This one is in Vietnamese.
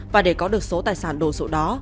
và để có được số tài sản đồ sổ đó